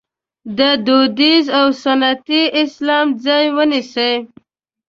د دودیز او سنتي اسلام ځای ونیسي.